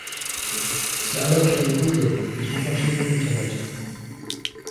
Sie alle kennen Google, die Suchmaschine im Internet.